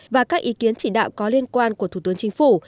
và các ý kiến chỉ đạo có liên quan của thủ tướng chính phủ